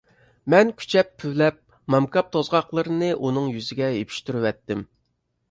مەن كۈچەپ پۈۋلەپ، مامكاپ توزغاقلىرىنى ئۇنىڭ يۈزىگە يېپىشتۇرۇۋەتتىم.